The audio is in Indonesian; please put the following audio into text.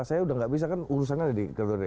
saya udah gak bisa kan urusan ada di dprd